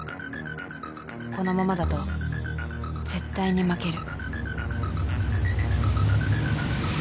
［このままだと絶対に負ける］